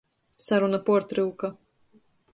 Saruna puortryuka.